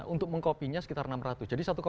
untuk mengkopinya sekitar enam ratus jadi satu enam